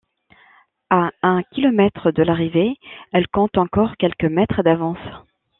À un kilomètre de l'arrivée, elles comptent encore quelques mètres d'avance.